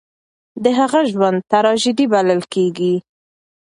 د هغه ژوند تراژيدي بلل کېږي.